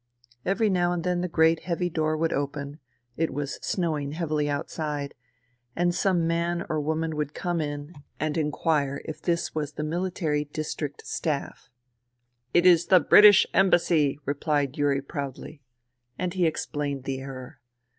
Every now and then the great heavy door would open — it was snowing heavily outside — and some man or woman would come in and inquire 84 FUTILITY if this was the MiHtary District Staff. "It is the British Embassy," repHed Yuri proudly. And he explained the error.